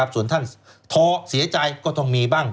ส่วนท่านท้อเสียใจก็ต้องมีบ้าง